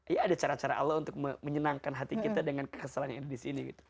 ya ada cara cara allah untuk menyenangkan hati kita dengan kekeselan yang ada di sini gitu